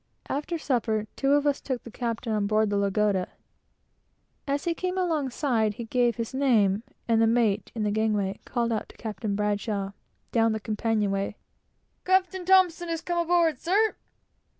After supper, two of us took the captain on board the Lagoda. As he came alongside, he gave his name, and the mate, in the gangway, called out to the captain down the companion way "Captain T has come aboard, sir!"